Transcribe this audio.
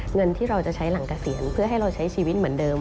เงินที่เราจะใช้หลังเกษียณเพื่อให้เราใช้ชีวิตเหมือนเดิม